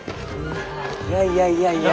いやいやいやいや。